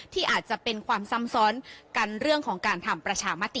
ที่อาจจะเป็นความซ้ำซ้อนกันเรื่องของการทำประชามติ